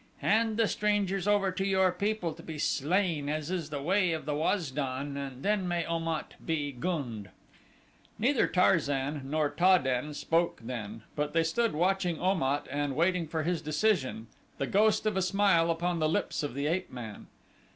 Hand the strangers over to your people to be slain as is the way of the Waz don and then may Om at be gund." Neither Tarzan nor Ta den spoke then, they but stood watching Om at and waiting for his decision, the ghost of a smile upon the lips of the ape man.